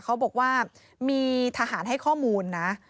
เขาบอกว่ามีทหารให้ข้อมูลนะ